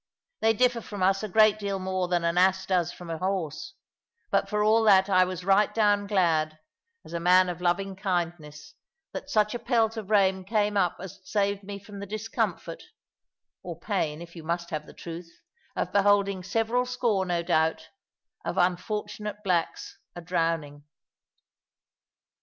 They differ from us a great deal more than an ass does from a horse; but for all that I was right down glad as a man of loving kindness that such a pelt of rain came up as saved me from the discomfort or pain, if you must have the truth of beholding several score, no doubt, of unfortunate blacks a drowning.